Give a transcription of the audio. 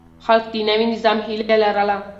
خلک د نوي نظام هيله لرله.